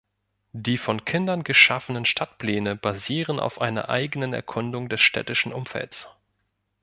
Die von Kindern geschaffenen Stadtpläne basieren auf einer eigenen Erkundung des städtischen Umfelds.